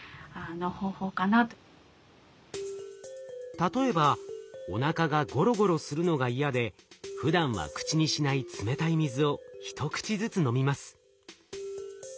例えばおなかがゴロゴロするのが嫌でふだんは口にしない冷たい水を一口ずつ飲みます。